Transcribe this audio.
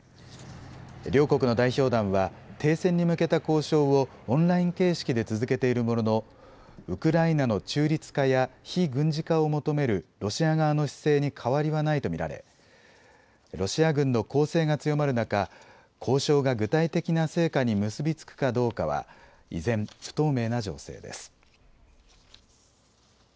両国の代表団は停戦に向けた交渉をオンライン形式で続けているもののウクライナの中立化や非軍事化を求めるロシア側の姿勢に変わりはないと見られロシア軍の攻勢が強まる中、交渉が具体的な成果に結び付くかどうかは依然、不透明な情勢です。